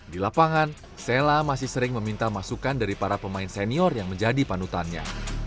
di lapangan sela masih sering meminta masukan dari para pemain senior yang menjadi panutannya